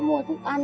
và n cupcake